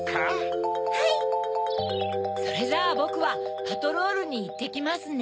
それじゃあぼくはパトロールにいってきますね。